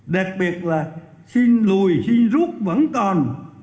đặc biệt là xin lùi xin rút vẫn còn